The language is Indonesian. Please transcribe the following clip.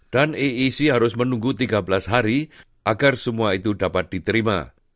dan eec harus menunggu tiga belas hari agar semua itu dapat diterima